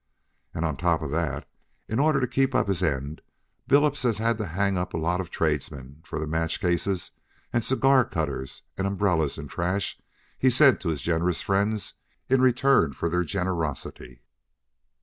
And on top of that, in order to keep up his end, Billups has had to hang up a lot of tradesmen for the match cases and cigar cutters and umbrellas and trash he's sent to his generous friends in return for their generosity."